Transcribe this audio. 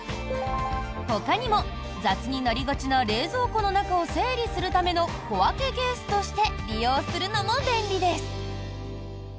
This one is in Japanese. ほかにも、雑になりがちな冷蔵庫の中を整理するための小分けケースとして利用するのも便利です。